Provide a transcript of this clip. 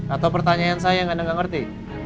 atau pertanyaan saya yang anda nggak ngerti